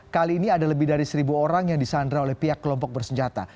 kali ini ada lebih dari seribu orang yang disandra oleh pihak kelompok bersenjata